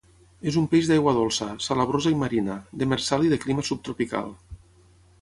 És un peix d'aigua dolça, salabrosa i marina; demersal i de clima subtropical.